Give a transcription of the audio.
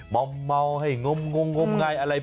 ม้อห้องมองง้าย